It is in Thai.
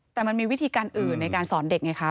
แต่มันมีวิธีการอื่นในการสอนเด็กไงคะ